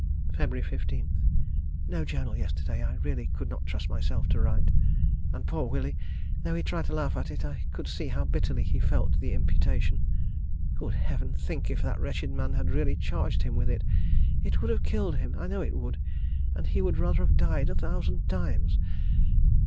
Feb. 15. No journal yesterday, I really could not trust myself to write. And poor Willie, though he tried to laugh at it, I could see how bitterly he felt the imputation. Good Heaven! think if that wretched man had really charged him with it. It would have killed him. I know it would, and he would rather have died a thousand times.